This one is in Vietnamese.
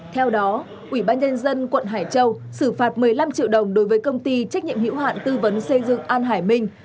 theo đó ubnd tp đà nẵng xử phạt một mươi năm triệu đồng đối với công ty trách nhiệm hữu hạn tư vấn xây dựng an hải minh